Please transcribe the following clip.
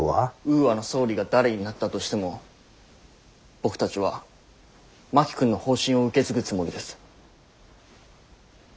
ウーアの総理が誰になったとしても僕たちは真木君の方針を受け継ぐつもりです。